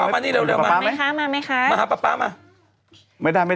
ไม่อยู่ไม่กันก่อน